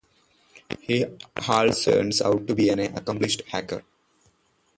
He also turns out to be an accomplished hacker.